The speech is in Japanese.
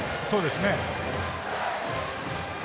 そうですね。